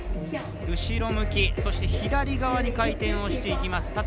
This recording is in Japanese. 後ろ向き、そして左側に回転していきます。